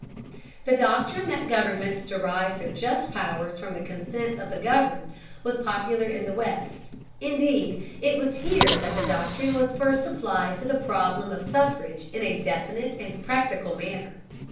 The doctrine that governments derive their just powers from the consent of the governed was popular in the West; indeed, it was here that the doctrine was first applied to the problem of suffrage in a definite and practical manner.